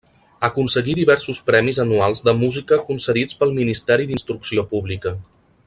Aconseguí diversos premis anuals de música concedits pel Ministeri d'Instrucció Pública.